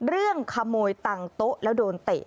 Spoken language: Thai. เรื่องขโมยตังโต๊ะแล้วโดนเตะ